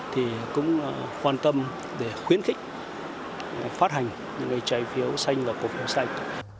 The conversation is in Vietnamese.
thì cũng quan tâm để khuyến khích phát hành những cái trải phiếu xanh và cổ phiếu xanh